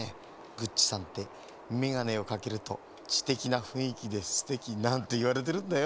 「グッチさんってメガネをかけるとちてきなふんいきでステキ」なんていわれてるんだよ。